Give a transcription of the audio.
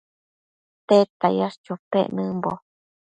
¿Tedta yash chopec nëmbo ?